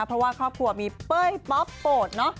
เพราะว่าครอบครัวมีเป้ยป๊อปโปรดเนอะ